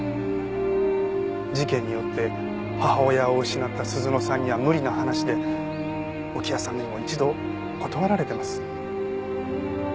事件によって母親を失った鈴乃さんには無理な話で置屋さんにも一度断られてます。